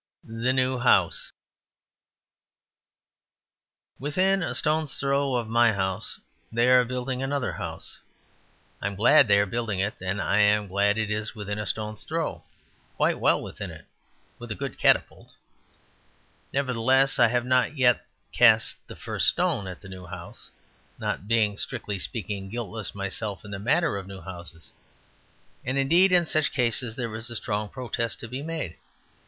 The New House Within a stone's throw of my house they are building another house. I am glad they are building it, and I am glad it is within a stone's throw; quite well within it, with a good catapult. Nevertheless, I have not yet cast the first stone at the new house not being, strictly speaking, guiltless myself in the matter of new houses. And, indeed, in such cases there is a strong protest to be made.